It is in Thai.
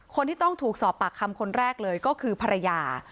คนที่ต้องถูกสอบปากคำคนแรกเลยก็คือภรรยา